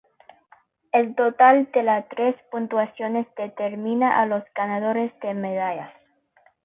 El total de la tres puntuaciones determina a los ganadores de medallas.